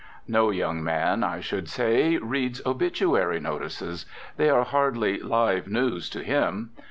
No young man, I should say, reads obituary notices. They are hardly "live news" to him.